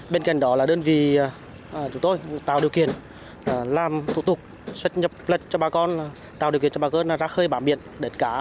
bên cạnh đó là đơn vị chúng tôi tạo điều kiện làm thủ tục xuất nhập cho bà con tạo điều kiện cho bà con ra khơi bám biển đến cá